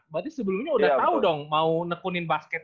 berarti sebelumnya udah tau dong mau nekunin basket